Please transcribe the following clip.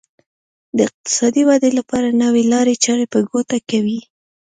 د اقتصادي ودې لپاره نوې لارې چارې په ګوته کوي.